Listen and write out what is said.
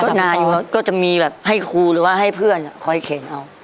ก็นานอยู่ครับก็จะมีแบบให้ครูหรือว่าให้เพื่อนคอยเข็นเอา